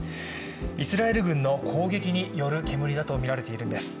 イスラエル軍の攻撃による煙だとみられているんです。